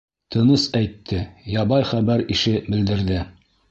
Тыныс әйтте, ябай хәбәр ише белдерҙе.